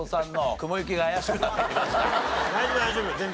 大丈夫大丈夫全然。